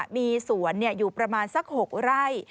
มีสวนอยู่ประมาณสัก๖ไร่